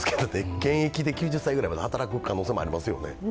現役で９０歳ぐらいまで働く可能性もありますよね。